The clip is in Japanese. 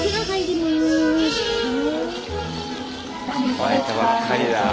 生まれたばっかりだ。